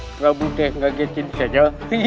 prabu teh ngegetin saja